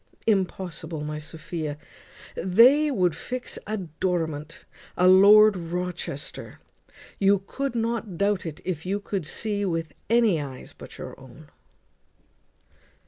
Impossible! my Sophia; they would fix a Dorimant, a Lord Rochester. You could not doubt it, if you could see yourself with any eyes but your own."